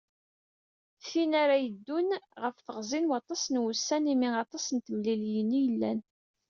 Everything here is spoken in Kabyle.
Tin ara yeddun ɣef teɣzi n waṭas n wussan, imi aṭas n temliliyin i yellan.